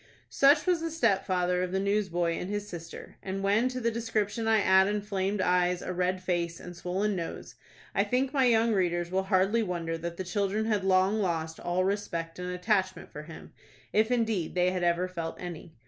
Such was the stepfather of the newsboy and his sister, and when to the description I add inflamed eyes, a red face, and swollen nose, I think my young readers will hardly wonder that the children had long lost all respect and attachment for him, if indeed they had ever felt any.